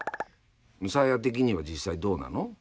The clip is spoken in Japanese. サーヤ的には実際どうなの？